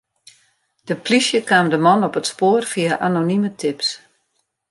De plysje kaam de man op it spoar fia anonime tips.